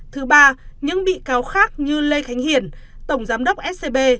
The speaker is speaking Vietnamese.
thứ ba những bị cáo khác như lê khánh hiển tổng giám đốc scb